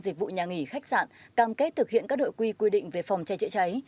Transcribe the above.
dịch vụ nhà nghỉ khách sạn cam kết thực hiện các đội quy quy định về phòng cháy chữa cháy